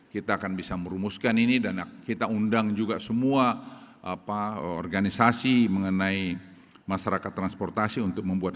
kita akan bisa merumuskan ini dan kita undang juga semua organisasi mengenai masyarakat transportasi untuk membuat